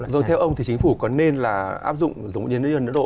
rồi theo ông thì chính phủ có nên là áp dụng giống như ấn độ